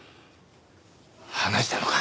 話したのか。